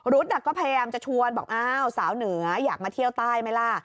ก็พยายามจะชวนบอกอ้าวสาวเหนืออยากมาเที่ยวใต้ไหมล่ะ